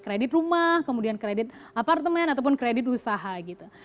kredit rumah kemudian kredit apartemen ataupun kredit usaha gitu